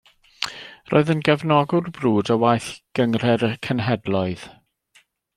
Roedd yn gefnogwr brwd o waith Gynghrair y Cenhedloedd.